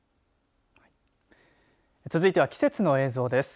続いては、季節の映像です。